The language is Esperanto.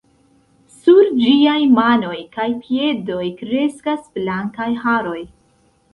Sur ĝiaj manoj kaj piedoj kreskas blankaj haroj.